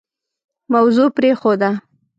موضوع پرېښوده.